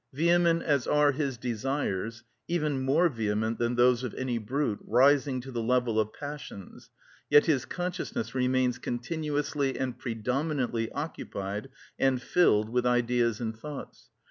Vehement as are his desires, even more vehement than those of any brute, rising to the level of passions, yet his consciousness remains continuously and predominantly occupied and filled with ideas and thoughts.